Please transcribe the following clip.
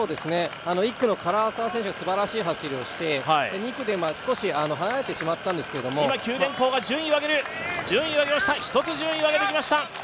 １区の唐沢選手がすばらしい走りをして２区で少し離れてしまったんですけど今、九電工が１つ順位を上げてきました。